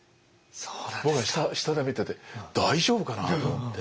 僕は下で見てて大丈夫かなと思って。